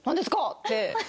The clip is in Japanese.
って。